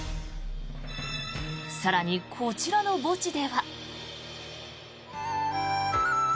更に、こちらの墓地では。